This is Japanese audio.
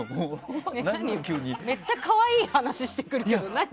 めっちゃ可愛い話してくるけどなに？